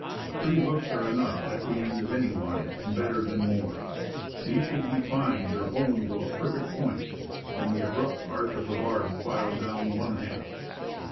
Three hooks are enough at the end of any line, and better than more. These should be fined or honed to a perfect point, and the abrupt part of the barb filed down one half.